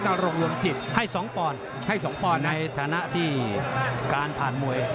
ท่านโรงรวมจิตให้สองปอนด์ให้สองปอนด์ในฐานะที่การผ่านมวย